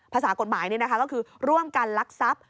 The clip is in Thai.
ภาษากฎหมายก็คือร่วมกันลักทรัพย์